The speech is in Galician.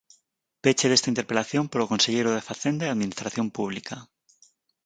Peche desta interpelación polo conselleiro de Facenda e Administración Pública.